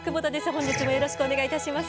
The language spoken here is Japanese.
本日もよろしくお願いいたします。